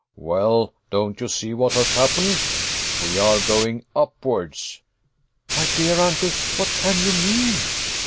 "Well, don't you see what has happened? We are going upwards." "My dear uncle, what can you mean?"